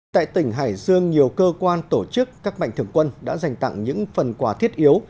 tại tỉnh hải dương nhiều cơ quan tổ chức các mạnh thường quân đã dành tặng những phần quà thiết yếu